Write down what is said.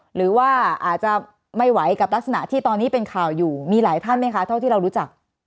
หรือว่าอาจจะไม่ไหวกับลักษณะที่ตอนนี้เป็นข่าวอยู่มีหลายท่านไหมคะเท่าที่เรารู้จัก